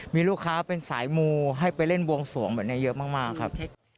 มีลูกค้าเป็นสายมูให้ไปเล่นบวงสวงแบบนี้เยอะมากครับ